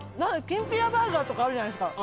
きんぴらバーガーとかあるじゃないですか。